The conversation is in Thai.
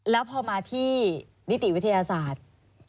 แล้วพอมาที่นิติวิทยาศาสตร์